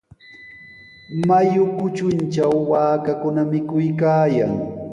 Mayu kutruntraw waakakuna mikuykaayan.